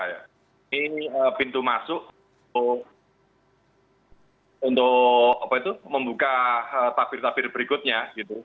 ini pintu masuk untuk membuka takbir takbir berikutnya